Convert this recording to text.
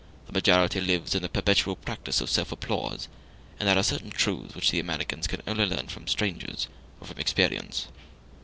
The majority lives in the perpetual practice of self applause, and there are certain truths which the Americans can only learn from strangers or from experience.